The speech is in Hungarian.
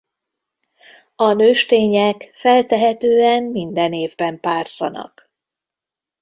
A nőstények feltehetően minden évben párzanak.